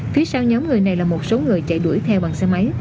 phía sau nhóm người này là một số người chạy đuổi theo bằng xe máy